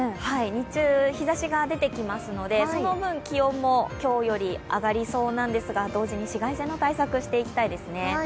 日中、日ざしが出てきますのでその分、気温も今日より上がりそうなんですが同時に紫外線も対策していきたいですね。